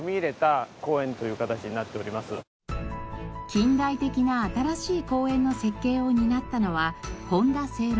近代的な新しい公園の設計を担ったのは本多静六。